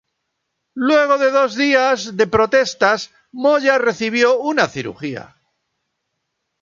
Luego de dos días de protestas, Moya recibió una cirugía.